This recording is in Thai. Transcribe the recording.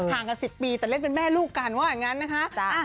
กัน๑๐ปีแต่เล่นเป็นแม่ลูกกันว่าอย่างนั้นนะคะ